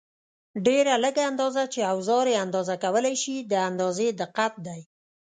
ډېره لږه اندازه چې اوزار یې اندازه کولای شي د اندازې دقت دی.